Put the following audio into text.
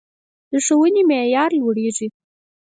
د ښوونې معیار لوړیږي